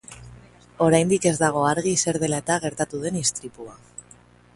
Oraindik ez dago argi zer dela eta gertatu den istripua.